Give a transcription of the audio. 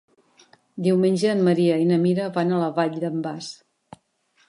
Diumenge en Maria i na Mira van a la Vall d'en Bas.